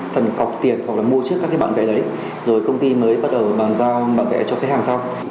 phần cọc tiền hoặc là mua trước các cái bản vẽ đấy rồi công ty mới bắt đầu bán giao bản vẽ cho khách hàng sau